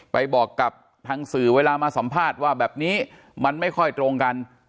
บอกกับทางสื่อเวลามาสัมภาษณ์ว่าแบบนี้มันไม่ค่อยตรงกัน